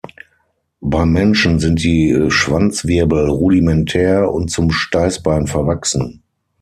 Beim Menschen sind die Schwanzwirbel rudimentär und zum Steißbein verwachsen.